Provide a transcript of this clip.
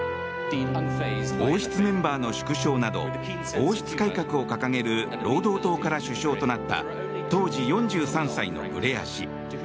王室メンバーの縮小など王室改革を掲げる労働党から首相となった当時４３歳のブレア氏。